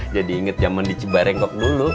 jadi inget zaman di cibarengkok dulu